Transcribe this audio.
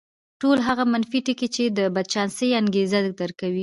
ټول هغه منفي ټکي چې د بدچانسۍ انګېزه درکوي.